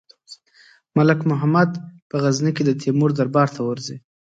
ملک محمد په غزني کې د تیمور دربار ته ورځي.